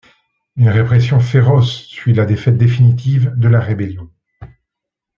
Une répression féroce suit la défaite définitive de la rébellion.